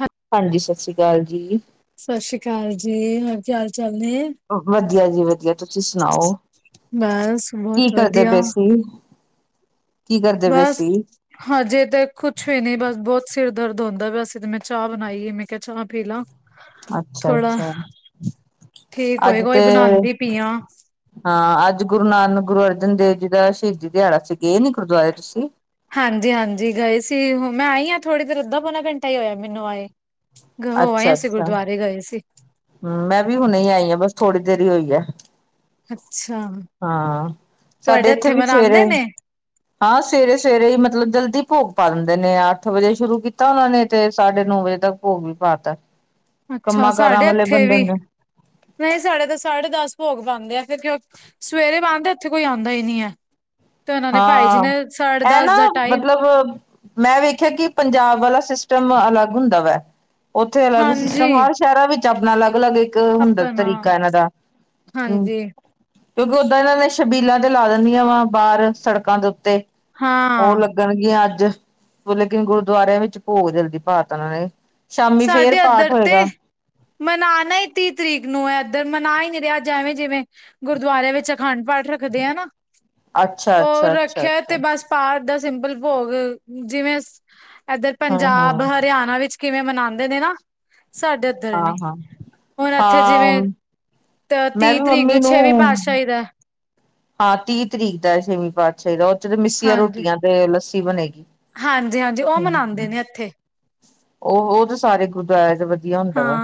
ਹਾਂ ਹਾਂਜੀ, ਸਤਿ ਸ੍ਰੀ ਅਕਾਲ ਜੀ। ਸਤਿ ਸ੍ਰੀ ਅਕਾਲ ਜੀ, ਹੋਰ ਕੀ ਹਾਲ ਚਾਲ ਨੇ? ਵਧੀਆ ਜੀ ਵਧੀਆ, ਤੁਸੀਂ ਸੁਣਾਓ? ਬਸ ਕੀ ਬਹੁਤ ਕਰਦੇ ਵਧੀਆ, ਪਏ ਸੀ? ਕੀ ਕਰਦੇ ਪਏ ਬਸ ਸੀ ਹਜੇ ਤੇ ਕੁਛ ਵੀ ਨੀ, ਬਸ ਬਹੁਤ ਸਿਰ ਦਰਦ ਹੁੰਦਾ ਪਿਆ ਸੀ। ਤੇ ਮੈਂ ਚਾਹ ਬਣਾਈ, ਮੈਂ ਕਿਹਾ ਚਾਹ ਪੀ ਲਾਂ। ਅੱਛਾ ਥੋੜਾ, ਅੱਛਾ ਠੀਕ ਅੱਜ ਹੋਏਗਾ, ੳਹੀ ਤੇ ਬਣਾਉਂਦੀ ਪਈ ਆ। ਹਾਂ, ਅੱਜ ਗੁਰੂ ਨਾਨਕ, ਗੁਰੂ ਅਰਜਨ ਦੇਵ ਜੀ ਦਾ ਸ਼ਹੀਦੀ ਦਿਹਾੜਾ ਸੀ, ਗਏ ਨੀ ਗੁਰਦੁਆਰੇ ਤੁਸੀਂ? ਹਾਂਜੀ-ਹਾਂਜੀ ਗਏ ਸੀ, ਹੁਣ ਮੈਂ ਆਈ ਹਾਂ ਥੋੜ੍ਹੀ ਦੇਰ ਅੱਧਾਂ ਪੌਨਾ ਘੰਟਾ ਹੀ ਹੋਇਆ, ਮੈਨੂੰ ਆਏ ਨੂੰ। ਹੋ ਆਏ ਅੱਛਾ ਅਸੀਂ, ਅੱਛਾ ਗੁਰਦੁਆਰੇ ਗਏ ਸੀ। ਹਮ, ਮੈਂ ਵੀ ਹੁਣੇ ਆਈ ਹ ਆ, ਬਸ ਥੋੜ੍ਹੀ ਦੇਰ ਹੀ ਹੋਈ ਹੈ। ਅੱਛਾ। ਹਾਂ, ਸਾਡੇ ਤੁਹਾਡੇ ਇੱਥੇ ਵੀ ਸਵੇਰੇ ਮਨਾਂਦੇ ਨੇ? ਹਾਂ ਸਵੇਰੇ-ਸਵੇਰੇ ਹੀ ਮਤਲਬ, ਜਲਦੀ ਭੋਗ ਪਾ ਦਿੰਦੇ ਨੇ ਅੱਠ ਵਜੇ ਸ਼ੁਰੂ ਕੀਤਾ, ਉਹਨਾਂ ਨੇ ਤੇ, ਸਾਡੇ ਨੌ ਵਜੇ ਤੱਕ ਭੋਗ ਵੀ ਪਾ ਤਾ। ਅੱਛਾ ਸਾਡੇ ਇੱਥੇ ਵੀ, ਨਹੀਂ ਸਾਡੇ ਤਾਂ ਸਾਢੇ ਦਸ ਭੋਗ ਪਾਂਦੇ ਆ। ਫਿਰ ਕਿਉਂਕ ਸਵੇਰੇ ਬੰਦ ਐ, ਏਥੇ ਕੋਈ ਆਂਦਾ ਈ ਨੀਂ ਐ। ਤੇ ਉਹਨਾਂ ਦੇ ਭਾਈ ਜੀ ਨੇ ਹਾਂ, ਸਾਢੇ ਐ ਨਾ ਦਸ ਦਾ ਟਾਈਮ ਮਤਲਬ ਮੈਂ ਵੇਖਿਆ ਕਿ, ਪੰਜਾਬ ਵਾਲਾ ਸਿਸਟਮ ਅਲੱਗ ਹੁੰਦਾ ਵੈ। ਔਥੇ ਅਲੱਗ ਸਿਸਟਮ, ਹਾਂਜੀ ਹਰ ਸ਼ਹਿਰਾਂ ਵਿੱਚ ਆਪਣਾ ਅਲੱਗ-ਅਲੱਗ, ਇੱਕ ਹੁੰਦਾ ਆਪਣਾ ਤਰੀਕਾ ਏਨਾਂ ਦਾ। ਹਾਂਜੀ ਕਿਉਂਕਿ ਓਦਾਂ ਏਨਾਂ ਨੇ, ਸ਼ਬੀਲਾਂ ਤੇ ਲਾ ਦੇਨੀਆਂ ਵਾ ਬਾਰ ਸੜਕਾਂ ਦੇ ਉੱਤੇ, ਓ ਲ ਹਾਂ ਲੱਗਣਗੀਆਂ ਅੱਜ, ਲੇਕਿਨ ਗੁਰਦੁਆਰਿਆਂ ਵਿੱਚ ਭੋਗ ਜਲਦੀ ਪਾਤਾ ਓਨਾਂ ਨੇ। ਸ਼ਾਮੀ ਫੇਰ ਸਾਡੇ ਪਾਠ ਇੱਧਰ ਤੇ ਹੋਏਗਾ। ਮਨਾਣਾ ਈ ਤੀਹ ਤਰੀਕ ਨੂੰ ਐ ਏਧਰ, ਮਨਾ ਈ ਨੀ ਰਹੇ, ਅਜ ਐਵੇਂ ਜਿਵੇਂ ਗੁਰਦੁਆਰੇ ਵਿੱਚ ਅਖੰਡ ਪਾਠ ਰੱਖਦੇ ਆ ਨਾ, ਅੱਛਾ ਓ ਅੱਛਾ ਅੱਛਾ ਰੱਖੇਆ ਤੇ ਅੱਛਾ ਬਸ ਪਾਠ ਦਾ ਸਿੰਪਲ ਭੋਗ, ਜਿਵੇਂ ਏਧਰ ਹਾਂ ਪੰਜਾਬ ਹਾਂ ਹਰ ਧਿਆਣਾ ਵਿੱਚ ਕਿਵੇਂ ਮਨਾਦੇ ਨੇ ਨਾ ਸਾਡੇ ਏਧਰ ਹਾਂ ਨੀ। ਹਾਂ ਹੁਣ ਏਥੇ ਹਾਂ ਜਿਵੇਂ ਅ ਮੈਂ ਤੀਹ ਵੀ ਤਰੀਕ ਮੰਮੀ ਨੂੰ ਛੇਵੀਂ ਪਾਤਸ਼ਾਹੀ ਦਾ ਹਾਂ ਤੀਹ ਤਰੀਕ ਦਾ ਏ ਛੇਵੀ ਪਾਤਸ਼ਾਹੀ ਦਾ, ਓਚ ਤੇ ਮਿੱਸੀਆਂ ਹਾਂਜੀ ਰੋਟੀਆਂ ਤੇ ਲੱਸੀ ਬਣੇਗੀ। ਹਾਂਜੀ -ਹਾਂਜੀ। ਓ ਮਨਾਂਦੇ ਨੇ ਐਥੇ। ਓਹੋ ਤੇ ਸਾਰੇ ਗੁਰਦੁਆਰੇ ਦਾ ਵਧੀਆ ਹੁੰਦਾ ਵਾ।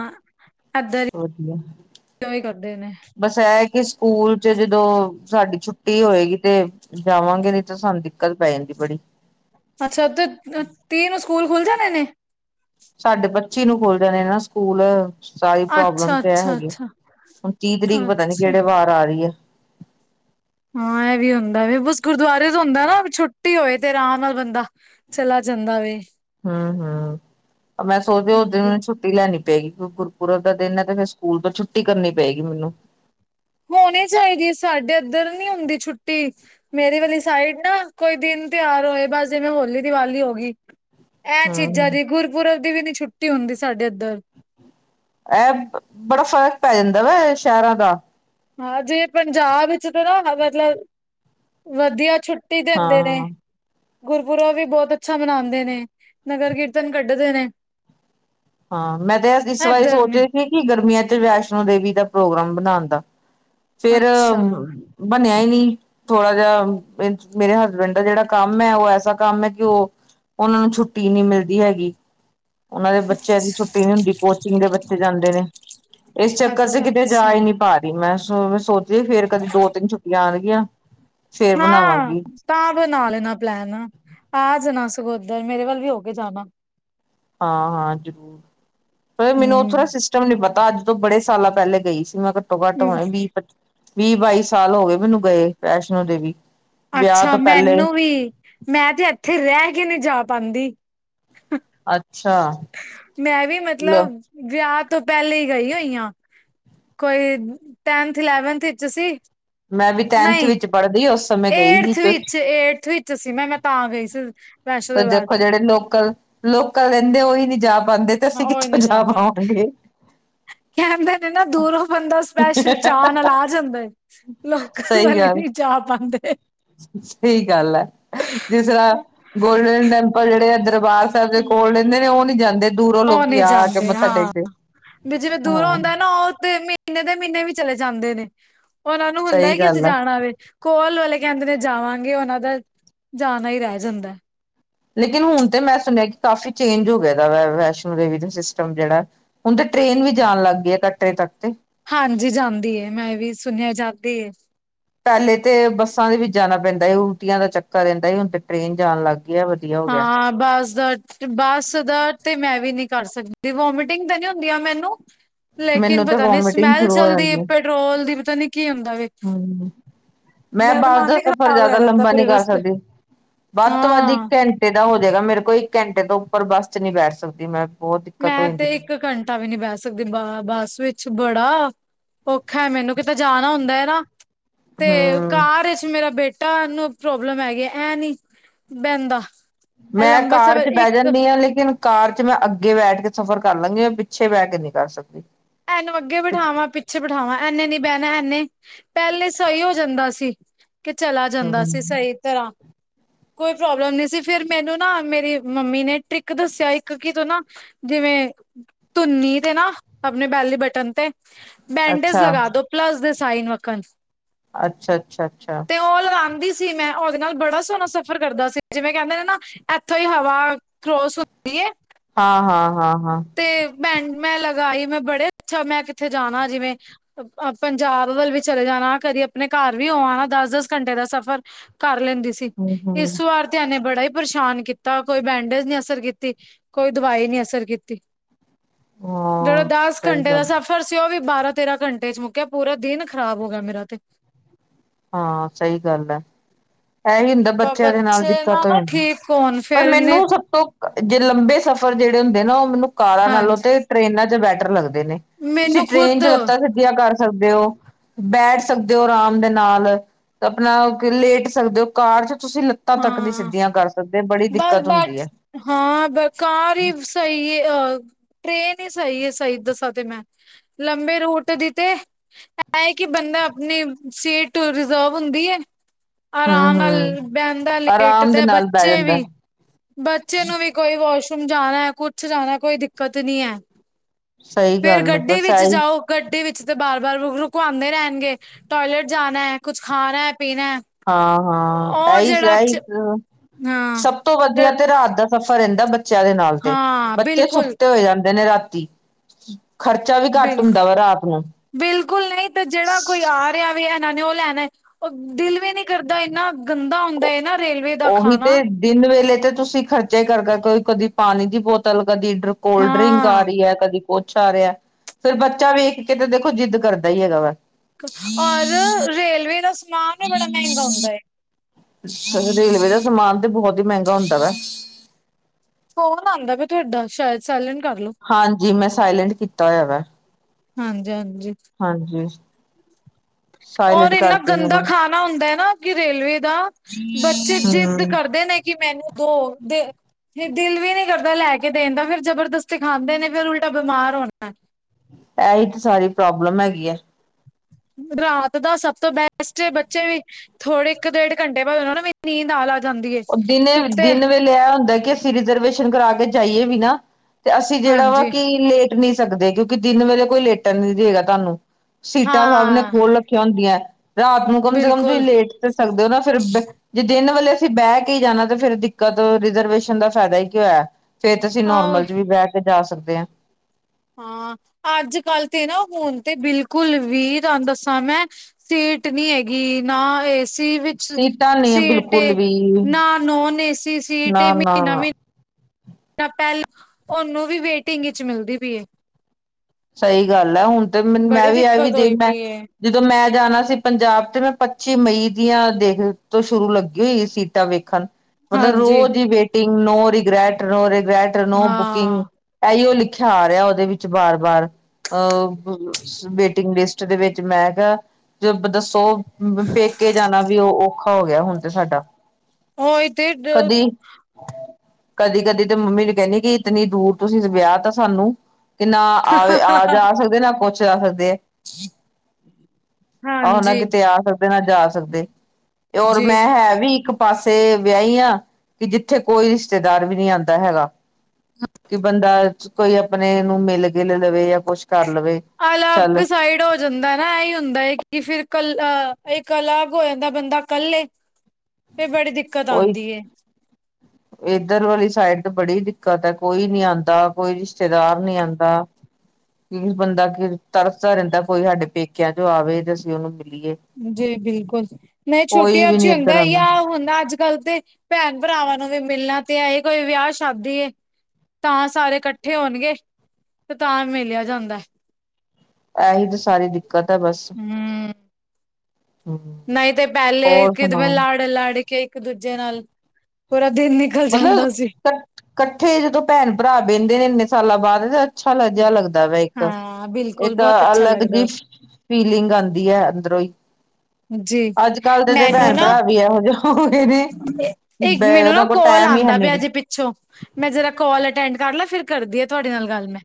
ਐਦਰ ਵਧੀਆ ਕਰਦੇ ਨੇ। ਬਸ ਐ ਕਿ ਸਕੂਲ ਚ ਜਦੋਂ ਸਾਡੀ ਛੁੱਟੀ ਹੋਏਗੀ ਤੇ ਜਾਵਾਂਗੇ, ਨਹੀਂ ਤੇ ਸਾਨੂੰ ਦਿੱਕਤ ਪੈ ਜਾਂਦੀ ਬੜੀ। ਅੱਛਾ, ਤੇ ਤ ਤੀਹ ਨੂੰ ਸਕੂਲ ਖੁੱਲ ਜਾਣੇ ਨੇ? ਸਾਡੇ ਪੱਚੀ ਨੂੰ ਖੁੱਲਦੇ ਨੇ ਨਾ ਸਕੂਲ। ਸਾਰੀ ਪ੍ਰੋਬਲਮ ਅੱਛਾ ਤੇ ਐ ਅੱਛਾ ਹੈਗੀ, ਅੱਛਾ ਹੁਣ ਤੀਹ ਤਰੀਕ ਪਤਾ ਨੀ ਅੱਛਾ ਕੇਹੜੇ ਵਾਰ ਆ ਰੀ ਐ। ਹਾਂ ਐ ਵੀ ਹੁੰਦਾ ਵੇ, ਬਸ ਗੁਰਦੁਆਰੇ ਤੋਂ ਹੁੰਦਾ ਨਾ ਛੁੱਟੀ ਹੋਏ ਤੇ ਰਾਮ ਨਾਲ ਬੰਦਾ ਚਲਾ ਜਾਂਦਾ ਵੇ। ਹਾਂ -ਹਾਂ ਮੈਂ ਸੋਚਦੀ ਓਸ ਹਾਂਜੀ ਦਿਨ ਛੁ ਟੀ ਲੈਣੀ ਪਏਗੀ, ਕੋਂ ਗੁਰਪੁਰਬ ਦਾ ਦਿਨ ਐ ਤੇ ਫੇਰ ਸਕੂਲ ਤੋਂ ਛੁੱਟੀ ਕਰਨੀ ਪਏਗੀ ਮੈਨੂੰ। ਹੋਣੀ ਚਾਹੀਦੀ ਐ, ਸਾਡੇ ਏਧਰ ਨੀ ਹੁੰਦੀ ਛੁੱਟੀ। ਮੇਰੀ ਵਾਲੀ ਸਾਈਡ ਨਾ ਕੋਈ ਦਿਨ ਤਿਉਹਾਰ ਹੋਏ ਬਸ ਜਿਵੇਂ ਹੋਲੀ ਦੀਵਾਲੀ ਹੋਗੀ। ਐ ਚੀਜ਼ਾਂ ਹਮ ਦੀ, ਗੁਰਪੁਰਬ ਦੀ ਵੀ ਨੀ ਛੁੱਟੀ ਹੁੰਦੀ ਸਾਡੇ ਐਧਰ। ਐ ਬ ਬੜਾ ਫ਼ਰਕ ਪੈ ਜਾਂਦਾ ਵਾ ਐ ਸ਼ਹਿਰਾਂ ਦਾ। ਹਾਂ, ਜੇ ਪੰਜਾਬ ਵਿੱਚ ਤਾਂ ਨਾ ਮਤਲਬ ਵਧੀਆ ਛੁੱ ਤੇ ਦੇਂਦੇ ਨੇ। ਹਾਂ ਗੁਰਪੁਰਬ ਵੀ ਬਹੁਤ ਅੱਛਾ ਮਨਾਂਦੇ ਨੇ, ਨਗਰ ਕੀਰਤਨ ਕੱਢਦੇ ਨੇ। ਹਾਂ, ਮੈਂ ਤੇ ਇਸ ਵਾਰੀ ਏਧਰ ਸੋਚ ਨੇ ਰੀ ਸੀ ਕਿ ਗਰਮੀਆਂ ਚ ਵੈਸ਼ਨੋ ਦੇਵੀ ਦਾ ਪ੍ਰੋਗਰਾਮ ਬਣਾਂਣ ਦਾ। ਫੇਰ ਅੱਛਾ ਬਣਿਆ ਈ ਨੀ। ਥੋੜਾ ਜਿਹਾ ਮੇਰੇ ਹਸਬੈਂਡ ਦਾ ਜੇੜਾ ਕੰਮ ਐ, ਔ ਐਸਾ ਕੰਮ ਐ ਕਿ ਓ ਓਹਨਾਂ ਨੂੰ ਛੁੱਟੀ ਨੀ ਮਿਲਦੀ ਹੈਗੀ। ਓਹਨਾਂ ਬੱਚਿਆਂ ਦੀ ਛੁੱਟੀ ਨੀ ਹੁੰਦੀ, ਕੋਚਿੰਗ ਦੇ ਬੱਚੇ ਜਾਂਦੇ ਨੇ, ਇਸ ਚੱਕਰ ਤੇ ਅੱਛਾ ਕਿਤੇ ਅੱਛਾ ਜਾ ਈ ਨੀ ਪਾ ਮੈਂ ਸੋ ਸੋਚਦੀ ਫੇਰ ਕਦੀ ਦੋ ਤਿੰਨ ਛੁੱਟੀਆਂ ਆਣਗੀਆਂ, ਫੇਰ ਹਾਂ ਬਣਾਵਾਂਗੀ। ਤਾਂ ਬਨਾ ਲੈਣਾ ਪਲੈਨ, ਆ ਜਾਣਾ ਸਗੋ ਐਧਰ ਮੇਰੇ ਵੱਲ ਵੀ ਹੋ ਕੇ ਜਾਣਾ। ਹਾਂ- ਹਾਂ ਜ਼ਰੂਰ। ਪਰ ਮੈਨੂੰ ਓਥੋਂ ਹਮ ਦਾ ਸਿ ਸਟਮ ਨੀ ਪਤਾ। ਅੱਜ ਤੋਂ ਬੜੇ ਸਾਲਾਂ ਪਹਿਲੇ ਗਈ ਸੀ ਮੈਂ ਘੱਟੋ ਘੱਟ ਹੋਣੇ ਵੀਹ ਪੱਚੀ ਵੀਹ ਬਾਈ ਸਾਲ ਹੋ ਗਏ ਮੈਨੂੰ ਗਏ ਵੈਸ਼ਨੋ ਦੇਵੀ। ਵਿਆਹ ਅੱਛਾ ਤੋਂ ਪਹਿਲੇ ਮੈਨੂੰ ਵੀ, ਮੈਂ ਤੇ ਏਥੇ ਰਹਿ ਕੇ ਨੀ ਜਾ ਪਾਂਦੀ। ਅੱਛਾ। ਮੈਂ ਵੀ ਲ ਮਤਲਬ ਵਿਆਹ ਤੋਂ ਪਹਿਲੇ ਈ ਗਈ ਹੋਈ ਆਂ। ਕੋਈ ਟੈਨਥ ਇਲੈਵਨਥ ਇਚ ਸੀ। ਮੈਂ ਵੀ ਟੈਨਥ ਨਈਂ, ਵਿੱਚ ਪੜ੍ਹਦੀ ਉਸ ਸਮੇਂ ਗਈ ਸੀ ਏਟਥ ਵਿੱਚ ਤੇ ਏਟਥ ਵਿੱ ਚੱ ਸੀ ਮੈਂ, ਮੈਂ ਤਾਂ ਗਈ ਸੀ। ਵੈਸ਼ਨੋ ਦੇ ਬਾਹਰ ਦੇਖੋ, ਜੇਹੜੇ ਲੋਕਲ -ਲੋਕਲ ਰਹਿੰਦੇ ਔਈ ਨੀ ਜਾ ਪਾਂਦੇ, ਤੇ ਅਸੀ ਕਿੱਥੋਂ ਜਾ ਪਾਵਾਂਗੇ? ਕੈੱਹਦੇ ਨੇ ਨਾ, ਦੂਰੋਂ ਬੰਦਾ ਸਪੈਸ਼ਲ ਚਾਅ ਨਾਲ ਆ ਜਾਂਦਾ ਐ। ਲੋਕਲ ਵਾਲੇ ਨੀ ਜਾ ਪਾਂਦੇ। ਸਈ ਗੱਲ ਐ, ਜਿਸ ਤਰ੍ਹਾਂ ਗੋਲਡਨ ਟੈਂਪਲ ਜੇਹੜੇ ਐ ਦਰਬਾਰ ਸਾਹਿਬ ਦੇ ਕੋਲ ਰੈਂਹਦੇ ਨੇ, ਔ ਨੀ ਜਾਂਦੇ। ਦੂਰੋਂ ਔ ਲੋਕੀ ਨੀ ਆ ਕੇ ਜਾਂਦੇ ਮੱਥਾ ਹਾਂ, ਟੇਕਦੇ ਬਿ ਜਿਵੇਂ ਦੂਰੋਂ ਹਾਂ ਆਉਦਾ ਨਾ, ਔ ਤੇ ਮ ਮਹੀਨੇ ਦੇ ਮਹੀਨੇ ਵੀ ਚਲੇ ਜਾਂਦੇ ਨੇ, ਔਨਾਂ ਨੂੰ ਹੁੰਦਾ ਹੈ, ਸਹੀ ਕਿ ਅਸੀਂ ਗੱਲ ਜਾਣਾ ਵੇ। ਕੋਲ ਵਾਲੇ ਕੈਂਹਦੇ ਨੇ ਜਾਵਾਂਗੇ, ਔਨਾਂ ਦਾ ਜਾਣਾ ਈ ਰੈ ਜਾਂਦਾ ਐ। ਲੇਕਿਨ, ਹੁਣ ਤੇ ਮੈਂ ਸੁਣਿਆ ਕਿ ਕਾਫ਼ੀ ਚੇਂਜ ਹੋ ਗਿਆ ਦਾ ਵੈ, ਵੈਸ਼ਨੋ ਦੇਵੀ ਦਾ ਸਿਸਟਮ ਜੜਾ ਐ। ਹੁਣ ਤੇ ਟ੍ਰਰੇਨ ਵੀ ਜਾਣ ਲੱਗ ਗੀ ਐ, ਕੱਟਰੇ ਤੱਕ ਤੇ। ਹਾਂਜੀ ਜਾਂਦੀ ਏ, ਮੈਂ ਵੀ ਸੁਣਿਆ ਜਾਂਦੀ ਏ। ਪੈਹਲੇ ਤੇ ਬੱਸਾਂ ਦੇ ਵਿੱਚ ਜਾਣਾ ਪੈਂਦਾ ਸੀ, ਉਲਟੀਆਂ ਦਾ ਚੱਕਰ ਰੈਂਹਦਾ ਸੀ, ਹੁਣ ਤੇ ਟ੍ਰੇਨ ਜਾਣ ਲੱਗ ਗੀ ਐ ਵ ਹਾਂ, ਬਸ ਦ ਬਸ ਦਾ, ਤੇ ਮੈਂ ਵੀ ਨੀ ਕਰ ਸਕਦੀ, ਵੋਮਿਟਿੰਗ ਤੇ ਨੀ ਹੁੰਦੀਆਂ ਮੈਨੂੰ ਲੇਕਿਨ, ਮੈਨੂੰ ਤੇ ਪਤਾ ਨੀ ਵੋਮਟਿੰਗ ਸਮੈਲ ਸ਼ੁਰੂ ਹੋ ਚੱੜਦੀ ਏ ਜਾਂਦੀ ਹੈ ਪੈਟਰੋਲ ਦੀ, ਪਤਾ ਨੀ ਕੀ ਹੁੰਦਾ ਵੇ। [unintelligible] ਮੈਂ ਮੇਰਾ ਤਾਂ ਬਸ ਮਨ ਦਾ ਹੀ ਸਫ਼ਰ ਖ਼ਰਾਬ ਹੋਇਆ ਜ਼ਾਦਾ ਰਹਿੰਦਾ ਲੰਬਾ ਨੀ ਪੂਰੇ ਕਰ ਰਸਤੇ ਸਕਦੀ, ਵੱਧ ਤੋਂ ਵੱਧ ਇੱਕ ਹਾਂ ਘੈਂਟ ਘੰਟੇ ਦਾ ਹੋ ਜੇਗਾ, ਮੇਰੇ ਕੋਲ ਇੱਕ ਘੰਟੇ ਤੋਂ ਉੱਪਰ ਬੱਸ ਚ ਨੀ ਬੈਠ ਸਕਦੀ ਮੈਂ। ਬਹੁਤ ਦਿੱਕਤ ਹੋ ਮੈਂ ਜਾਂਦੀ ਤੇ ਇੱਕ ਘੰਟਾ ਵੀ ਨੀ ਬੈ ਸਕਦੀ ਬ ਬੱਸ ਵਿੱਚ, ਬੜਾ ਔਖਾ ਐ, ਮੈਨੂੰ ਕਿਤੇ ਜਾਣਾ ਹੁੰਦਾ ਏ ਨਾ, ਤੇ ਹਮ ਕਾਰ ਇਚ ਮੇਰਾ ਬੇਟਾ ਨੂੰ ਪ੍ਰੋਬਲਮ ਹੈਗੀ, ਐ ਨੀ ਬੈੰਦਾ। ਮੈਂ ਕਾਰ ਚ ਬੈ ਜਾਂਨੀ ਆਂ, ਲੇਕਿਨ ਕਾਰ ਚ ਮੈਂ ਅੱਗੇ ਬੈਠ ਕੇ ਸਫ਼ਰ ਕਰ ਲਾਂਗੀ। ਮੈਂ ਪਿੱਛੇ ਬੈ ਕੇ ਨੀ ਕਰ ਸਕਦੀ। ਐਨੂੰ ਅੱਗੇ ਬਿਠਾਵਾਂ, ਪਿੱਛੇ ਬਿਠਾਵਾਂ, ਐਨੇ ਨੀ ਬੈਣਾ, ਐਨੇ ਪੈਹਲੇ ਸਈ ਹੋ ਜਾਂਦਾ ਸੀ। ਕੇ ਚਲਾ ਜਾਂਦਾ ਸੀ, ਹਮ ਸਈ ਤਰ੍ਹਾਂ। ਕੋਈ ਪ੍ਰੋਬਲਮ ਨੀ ਸੀ, ਫੇਰ ਮੈਨੂੰ ਨਾ ਮੇਰੀ ਮੰਮੀ ਨੇ ਟ੍ਰਿਕ ਦੱਸਿਆ ਇੱਕ, ਕਿ ਤੁ ਨਾ ਜਿਵੇਂ, ਧੁਨੀ ਤੇ ਨਾ ਅਪਣੇ ਬੈਲੀ ਬਟਨ ਤੇ, ਬੈਂਡੇਜ ਅੱਛਾ ਲਗਾ ਦੋ, ਪਲੱਸ ਦੇ ਸਾਈਨ ਵੱਕਣ। ਅੱਛਾ-ਅੱਛਾ-ਅੱਛਾ। ਔ ਲਗਾਂਦੀ ਸੀ ਮੈ, ਔਦੇ ਨਾਲ ਬੜਾ ਸੋੱਣਾ ਸਫ਼ਰ ਕਰਦਾ ਸੀ, ਜਿਵੇਂ ਕੈੰਹਦੇ ਨੇ ਨਾ ਅਥੋਂ ਹੀ ਹਵਾ ਕਰੋਸ ਹੁੰਦੀ ਏ। ਹਾਂ-ਹਾਂ-ਹਾਂ-ਹਾਂ। ਤੇ ਮੈਂ, ਮੈਂ ਲਗਾਈ, ਮੈਂ ਬੜੇ ਅੱਛਾ, ਮੈਂ ਕਿੱਥੇ ਜਾਣਾ, ਜਿਵੇਂ ਪੰਜਾਬ ਵੱਲ ਵੀ ਚਲੇ ਜਾਣਾ, ਕਦੀ ਅਪਣੇ ਘਰ ਵੀ ਹੋ ਆਨਾ, ਦਸ-ਦਸ ਘੰਟੇ ਦਾ ਸਫ਼ਰ ਕਰ ਲੈਂਦੀ ਸੀ, ਹਮ ਹਮ ਇਸ ਵਾਰ ਤੇ ਐਨੇ ਬੜਾ ਹੀ ਪਰੇਸ਼ਾਨ ਕੀਤਾ, ਕੋਈ ਬੈਂਡੇਜ ਨੀ ਅਸਰ ਕੀਤੀ, ਕੋਈ ਦਵਾਈ ਨੀ ਅਸਰ ਕੀਤੀ। ਜਦੋ, ਹਾਂ ਦਸ ਸਹੀ ਘੰਟੇ ਦਾ ਗੱਲ ਸਫ ਸਫਰ ਸੀ, ਔ ਵੀ ਬਾਰਾਂ-ਤੇਰਾਂ ਕੰਟੇ ਚ ਮੁੱਕਿਆ। ਪੂਰਾ ਦਿਨ ਖਰਾਬ ਹੋ ਗਿਆ ਮੇਰਾ ਤੇ। ਹਾਂ ਸਈ ਗੱਲ ਐ। ਐ ਵੀ ਹੁੰਦਾ ਬੱਚਿਆਂ ਦੇ ਨਾਲ ਬੱਚੇ ਨਾ ਦਿੱਕਤ ਹੋ ਨਾ ਜਾਂਦੀ। ਠੀਕ ਹੋਣ ਪਰ ਫੇਰ ਇਨੇ ਮੈਨੂੰ ਸਭ ਤੋਂ ਜੇ ਲੰਬੇ ਸਫ਼ਰ ਜੇੜੇ ਹੁੰਦੇ ਨਾ, ਔ ਮੈਨੂੰ ਕਾਰਾਂ ਨਾਲੋਂ ਹਾਂਜੀ ਤੇ ਟ੍ਰੇਨਾਂ ਚ ਬੈਟਰ ਲੱਗਦੇ ਨੇ। ਤੁਸੀਂ, ਮੈਨੂੰ ਟ੍ਰੇਨ ਖੁਦ ਚ ਲੱਤਾ ਸ ਲੰਬੀਆਂ ਕਰ ਸਕਦੇ ਹੋ, ਬੈਠ ਸਕਦੇ ਹੋ ਆਰਾਮ ਦੇ ਨਾਲ, ਅਪਣਾ ਲੇਟ ਸਕਦੇ ਹੋ, ਕਾਰ ਚ ਤੁਸੀਂ ਲੱਤਾਂ ਤੱਕ ਨੀ ਹਾਂ ਸਿੱਧੀਆਂ ਕਰ ਸਕਦੇ, ਬੜੀ ਬਸ ਦਿੱਕਤ ਹੁੰਦੀ ਬੈਠ ਐ। ਹਾਂ ਕਾਰ ਈ ਸਹੀ ਐ, ਅ ਟ੍ਰੇਨ ਈ ਸਈ ਏ, ਸਈ ਦੱਸਾਂ ਤੇ ਮੈਂ। ਲੰਬੇ ਰੂਟ ਦੀ ਤੇੇ ਐ ਏ ਕਿ, ਬੰਦਾ ਆਪਣੀ ਸੀਟ ਰਿਜ਼ਰਵ ਹੁੰਦੀ ਏ। ਹੂ ਹੂ ਬੰਦਾ ਲੇਟਦਾ, ਬੱਚੇ ਵੀ ਬੱਚੇ ਨੂੰ ਵੀ ਕੋਈ ਵਾਸ਼ਰੂਮ ਜਾਣਾ, ਕੁਛ ਜਾਣਾ ਕੋਈ ਦਿੱਕਤ ਨੀ ਐ। ਸਹੀ ਫਿਰ ਗੱਲ ਗੱਡੀ ਬਸ ਵਿੱਚ ਆਹੀ ਜਾਓ। ਗੱਡੀ ਵਿੱਚ ਤੇ ਬਾਰ-ਬਾਰ ਰੁ ਰੁਕਵਾੰਦੇ ਰੈਨਗੇ, ਟੋਇਲੇਟ ਜਾਣੈ, ਕੁਛ ਖਾਣੈ-ਪੀਣੈ। ਹਾਂ-ਹਾਂ, ਐਹੀ ਸ ਐਈ ਕ ਹਾਂ ਸਭ ਤੋਂ ਜ ਵਧੀਆ ਤੇ ਰਾਤ ਦਾ ਸਫ਼ਰ ਰੈੰਦੈ ਬੱਚਿਆਂ ਦੇ ਨਾਲ ਤੇ, ਹਾਂ ਬੱਚੇ ਬਿਲਕੁਲ ਸੁੱਤੇ ਹੋਏ ਜਾਂਦੇ ਨੇ ਰਾਤੀ। ਖਰ ਬਿਲਕ ਬਿਲਕੁਲ ਨਈਂ ਤੇ ਜੇੜਾ ਕੋਈ ਆ ਰ ਰੇਯਾ ਵੇ ਏਨਾਂ ਨੇ ਓ ਲੈਣਾ, ਓ ਦਿਲ ਵੀ ਨੀ ਕਰਦਾ ਏਨਾ ਗੰਦਾ ਹੁੰਦਾ ਏਨਾ ਓਹੀ ਤੇ ਦਿਨ ਵੇਲੇ ਤੇ ਤੁਸੀਂ ਖਰਚੇ ਕਰ-ਕਰ ਕੋਈ ਕਦੀ ਪਾਣੀ ਦੀ ਬੋਤ ਤਲ ਕਦੀ ਇਡਰ ਕੋਲਡ ਡਰਿੰਕ ਆ ਹਾਂ ਰੀ ਐ, ਕਦੀ ਕੌਛ ਆ ਰੇਯਾ, ਫੇਰ ਬੱਚਾ ਵੇਖ ਕੇ ਤੇ ਜਿੱਦ ਕਰਦਾ ਹੀ ਹੈਗੈ ਵਾ। ਕ ਔਰ ਰੇਲਵੇ ਦਾ ਸਮਾਨ ਵੀ ਬੜਾ ਮਹਿੰਗਾ ਹੁੰਦਾ ਹੈ ਰੇਲਵੇ ਦਾ ਸਮਾਨ ਤੇ ਬਹੋਤ ਈ ਮੈੰਗਾ ਹੁੰਦਾ ਵੈ। ਫੋਨ ਆਂਦਾ ਪੈਯਾ ਥੋਡਾ ਸ਼ਾਏਦ ਸਾਇਲੈਂਟ ਕਰ ਲੋ। ਹਾਂਜੀ, ਮੈਂ ਸਾਇਲੈਂਟ ਕੀਤਾ ਹੋਯਾ ਵਾ। ਹਾਂਜੀ-ਹਾਂਜੀ। ਹਾਂਜੀ। ਔਰ ਸਾਇਲੈਂਟ ਏਨਾ ਕਰਕੇ ਗੰਦਾ ਹਮ ਖਾਣਾ ਹੁੰਦੈ ਨਾ ਕਿ ਰੇਲਵੇ ਦਾ ਬੱਚੇ ਜਿੱਦ ਕਰਦੇ ਨੇ ਕਿ ਮੈਨੂੰ ਦੋ, ਦੇ ਫਿਰ ਦਿਲ ਵੀ ਨੀ ਕਰਦਾ ਲੈ ਕੇ ਦੇਣ ਦਾ, ਫਿਰ ਜਬਰਦਸਤੀ ਖਾਂਦੇ ਨੇ, ਫੇਰ ਉਲਟਾ ਬਿਮਾਰ ਹੋਣਾ ਐਹੀ ਤੇ ਸਾਰੀ ਪ੍ਰੋਬਲਮ ਹੈਗੀ ਐ। ਰਾਤ ਦਾ ਸਭ ਤੋਂ ਬੈਸਟ ਏ ਬੱਚੇ ਵੀ ਥੋੜੇ ਇੱਕ ਡੇਢ ਘੰਟੇ ਬਾਦ ਓਨਾ ਨੂੰ ਵੀ ਨੀਂਦ ਆਨ ਲਗ ਜਾਂਦੀ ਏ, ਸੁੱਤੇ ਕਿ ਐ ਹੁੰਦੈ ਕਿ ਅਸੀਂ ਰਿਜਰਵੇਸ਼ਨ ਕਰਾ ਕੇ ਜਾਈਏ ਵੀ ਨਾ, ਤੇ ਅਸੀਂ ਜੇੜਾ ਵਾ ਹਾਂਜੀ ਕਿ ਲੇ ਟ ਨੀ ਸਕਦੇ, ਕਿਉਂਕਿ ਦਿਨ ਵੇਲੇ ਕੋਈ ਲੇਟਣ ਨੀ ਦੇਗਾ ਤਾਨੂੰ। ਸੀਟਾਂ ਸਬ ਨੇ ਹਾਂ ਖੋਲ ਕੇ ਰੱਖਿਆ ਹੁੰਦੀਆਂ ਰਾਤ ਨੂੰ ਕਮ ਸੇ ਕਮ ਤੁਸੀਂ ਬਿਲਕੁਲ ਲੇਟ ਤੇ ਸਕਦੇ ਔ ਨਾ, ਜੇ ਦੇਨ ਵੱਲੇ ਤੇ ਬੈਹ ਕੇ ਈ ਜਾਣਾ ਤੇ ਫੇਰ ਦਿੱਕਤ ਰਿਜਰਵੇਸ਼ਨ ਦਾ ਫੈਦਾ ਈ ਕਿ ਹੋਯਾ, ਫੇਰ ਤੁਸੀਂ ਆਹੋ ਨੋਰਮਲ ਚ ਵੀ ਬੈਹ ਤੇ ਜਾ ਸਕਦੇ ਆਂ। ਹਾਂ, ਅੱਜ-ਕੱਲ ਤੇ ਨਾ ਹੁਣ ਤੇ ਬਿਲਕੁਲ ਵੀ ਤੁਆਨ ਦੱਸਾਂ ਮੈਂ ਸੀਟ ਨੀ ਹੈਗੀ ਨਾ, ਏਸ ਸੀ ਵਿੱਚ ਸੀਟਾਂ ਨੀ ਹੈ ਸੀਟ ਬਿਲਕੁਲ ਏ, ਵੀ ਨਾ ਨੋਨ ਏਸੀ ਸੀਟ ਏ, ਨਾ ਨਾ ਮੀਨਾ-ਮੀਨ ਨਾਂ ਪੈਲਾਂ ਓਨੂੰ ਓਵੀ ਵੇਟਿੰਗ ਇਚ ਮਿਲਦੀ ਪਈ ਏ‌। ਸਹੀ ਗੱਲ ਐ, ਹੁਣ ਤੇ ਮੀਨ ਮੈਂ ਬੜੀ ਵੀ ਐ ਵੀ ਦਿੱਕਤ ਹੋਈ ਦਿਨ ਐ ਪਈ ਏ ਜਦੋਂ ਮੈਂ ਜਾਣਾ ਸੀ ਪੰਜਾਬ ਤੇ ਮੈਂ ਪੱਚੀ ਮਈ ਦੀਆਂ ਦੇਖ ਅ ਤੋਂ ਸ਼ੁਰੂ ਲੱਗੀ ਹੋਈ ਸੀ ਟਾ ਵੇਖਨ ਮਤਲਬ ਹਾਂਜੀ ਰੋਜ਼ ਹੀ waiting, no regret, no regret, no booking. ਹਾਂ ਐਈਓ ਲਿਖਿਆ ਆ ਰੇਯਾ, ਓਦੇ ਵਿੱਚ ਬਾਰ-ਬਾਰ ਅ ਵੇਟਿੰਗ ਲਿਸਟ ਚ ਦੇ ਵਿੱਚ ਮੈਂ ਕੈ ਜੇ ਬ ਦੱਸੋ ਪੇਕੇ ਜਾਣਾ ਵੀ ਔ ਔ ਖਾ ਹੋ ਗਯਾ ਹੁਣ ਤੇ ਸਾਡਾ, ਉਹੀ ਤੇ ਡ ਕਦੀ ਕਦੀ-ਕਦੀ ਤੇ ਮੰਮੀ ਨੂੰ ਕੈੰਨੀਂ ਅ ਕਿ ਇਤਨੀ ਦੂਰ ਤੁਸੀਂ ਤੇ ਵਯਾ ਤਾਂ ਸਾਨੂੰ, ਕਿ ਨਾ ਆਵੇ ਆ ਜਾ ਸਕਦੇ ਨਾ ਕੋਛ ਜਾ ਸਕਦੇ ਐ। ਔਹੋ ਨਾ ਹਾਂਜੀ ਕਿਤੇ ਆ ਸਕਦੇ ਨਾ ਜਾ ਸਕਦੇ, ਤੇ ਔਰ ਜੀ ਮੈਂ ਹੈ ਵੀ ਇੱਕ ਪਾਸੇ ਵਿਆਈ ਆਂ ਕਿ ਜਿੱਥੇ ਕੋਈ ਰਿਸ਼ਤੇਦਾਰ ਵੀ ਨੀ ਆੰਦਾ ਹੈਗਾ। ਕਿ ਬੰਦਾ ਕੋਈ ਅਪਨੇ ਨੂੰ ਮਿਲ-ਗਿਲ ਲਵੇ ਯਾ ਕੁਛ ਕਰ ਲਵੇ ਅਲੱਗ ਚੱਲ ਸਾਈਡ ਹੋ ਜੰਦੈ ਨਾ ਐਹੀ ਹੁੰਦਾ ਏ ਕਿ ਫਿਰ ਕਲ ਅ ਇਕ ਅਲੱਗ ਹੋ ਜਾਂਦੈ ਬੰਦਾ ਕੱਲੇ ਫੇ ਬੜੀ ਦਿੱਕਤ ਆੰਦੀ ਏ। ਏਧਰ ਵਲੀ ਸਾਈਡ ਤੇ ਬੜੀ ਦਿੱਕਤ ਐ, ਕੋਈ ਨੀ ਆੰਦਾ ਕੋਈ, ਰਿਸ਼ਤੇਦਾਰ ਨੀ ਆੰਦਾ। ਕਿ ਬੰਦਾ ਕੀਰ ਤਰਸਦਾ ਰੈੰਦਾ ਕੋਈ ਹਾਡੇ ਪੇਕਿਆਂ ਚੋ ਆਵੇ ਤੇ ਅਸੀਂ ਓਨੂੰ ਮਿਲੀਏ। ਜੇ ਬਿਲਕੁਲ, ਨਹੀਂ ਕੋਈ ਛੁੱਟੀਆਂ ਵੀ ਚ ਈ ਨੀ ਇੱਧਰ ਹੁੰਦੈ, ਆਉਂਦਾ ਜਾ ਹੁਣ ਅੱਜ ਕੱਲ ਤੇ ਭੈਣ ਭਰਾਵਾਂ ਨੂੰ ਵੀ ਮਿਲਣਾ ਤੇ ਐਈ ਕੋਈ ਵਿਯਾ ਸ਼ਾਦੀ ਏ, ਤਾਂ ਸਾਰੇ ਕੱਠੇ ਹੋਣਗੇ। ਤੇ ਤਾਂ ਮਿਲਿਆ ਜਾਂਦੈ। ਐਹੀ ਤੇ ਸਾਰੀ ਦਿੱਕਤ ਐ, ਬਸ। ਹਮ ਨਈ 'ਤੇ ਪਹਿਲੇ ਹੋਰ ਕਿਦ ਮੈ ਸੁਣਾਓ ਲੜ-ਲੜ ਕੇ ਇੱਕ-ਦੂਜੇ ਨਾਲ, ਪੂਰਾ ਦਿਨ ਨਿ ਮਤਲਬ ਕੱ ਕੱਠੇ ਜਦੋਂ ਭੈਣ ਭਰਾ ਬਹਿੰਦੇ ਨੇ ਇੰਨੇ ਸਾਲਾਂ ਬਾਅਦ ਛੱਲ ਜਿਹਾ ਲੱਗਦਾ ਵੇ, ਇੱਕ ਹਾਂ ਬਿਲਕੁਲ ਇੱਕ ਬਹੁਤ ਅੱਛਾ ਅਲੱਗ ਜੀ ਲੱਗਦਾ ਫੀਲਿੰਗ ਆਂਦੀ ਐ। ਅੰਦਰੋਂ ਈ। ਜੀ ਅੱਜ-ਕੱਲ ਦੇ 'ਤੇ ਮੈਨੂੰ ਭੈਣ ਨਾ ਭਰਾ ਵੀ ਇਹੋ ਜੇ ਹੋ ਗਏ ਨੇ। ਉਹਨਾ ਕੋਲ ਟਾਈਮ ਈ ਹੈ ਨੀ ਗਾ। ਛੋ ਮੈਂ ਜਰਾ ਕੋਅਲ ਅਟੈਂਡ ਕਰ ਲੈ ਫੇਰ ਕਰਦੀ ਆ ਤੁਹਾਡੇ ਨਾਲ ਗੱਲ ਮੈਂ।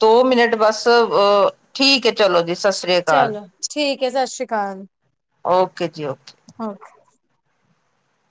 ਦੋ ਮਿੰਨਟ ਬਸ ਅ ਠੀਕ ਏ। ਚਲੋ ਜੀ, ਸ਼ ਸ਼੍ਰੀ ਆ ਚਲੋ ਠੀਕ ਏ, ਸ਼ ਸ਼੍ਰੀ ਕਾਲ, ਓਕੇ ਜੀ ਓਕੇ ਓਕੇ।